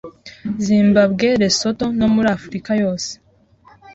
Zimbabwe, Lesotho no muri Afurika yose